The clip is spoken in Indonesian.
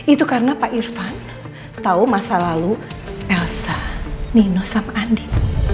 itu karena pak irfan tahu masa lalu elsa nino sama andi